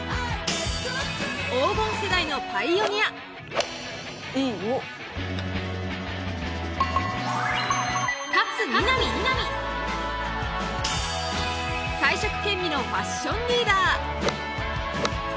黄金世代のパイオニア才色兼備のファッションリーダー